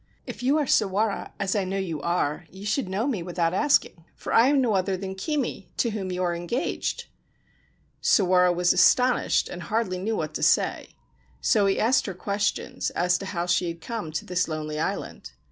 ' If you are Sawara, as I know you are, you should know me without asking, for I am no other than Kimi, to whom you were engaged !' Sawara was astonished, and hardly knew what to say : so he asked her questions as to how she had come to this lonely island.